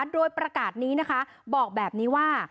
โดยประกาศนี้นะคะบอกแบบนี้ว่า